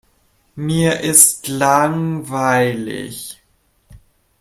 Mir ist langweilig.